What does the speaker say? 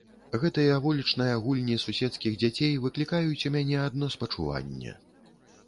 Гэтыя вулічныя гульні суседскіх дзяцей выклікаюць у мяне адно спачуванне.